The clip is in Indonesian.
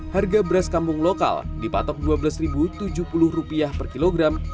harga beras kampung lokal dipatok rp dua belas tujuh puluh per kilogram